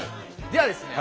ではですね